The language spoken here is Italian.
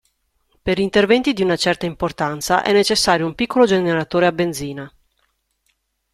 Per interventi di una certa importanza è necessario un piccolo generatore a benzina.